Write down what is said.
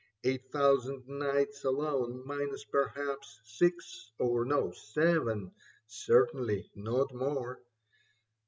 Eight thousand nights alone — minus, perhaps, Six, or no ! seven, certainly not more.